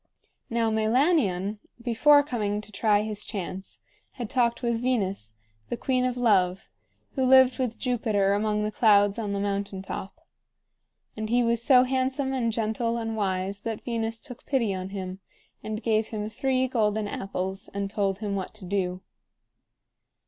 Now Meilanion, before coming to try his chance, had talked with Venus, the queen of love, who lived with Jupiter among the clouds on the mountain top. And he was so handsome and gentle and wise that Venus took pity on him, and gave him three golden apples and told him what to do.